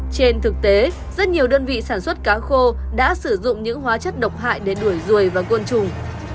trên thực tế rất nhiều đơn vị sản xuất cá khô đã sử dụng những hóa chất độc hại để đuổi ruồi và côn trùng